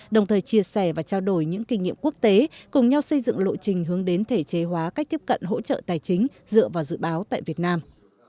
đồng thời chia sẻ và trao đổi những kinh nghiệm quốc tế cùng nhau xây dựng lộ trình hướng đến thể chế hóa cách tiếp cận hỗ trợ tài chính dựa vào dự báo tại việt nam